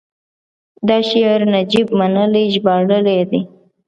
دا شعر نجیب منلي ژباړلی دی: